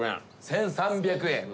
１，３００円。